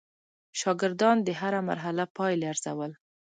شاګردان د هره مرحله پایلې ارزول.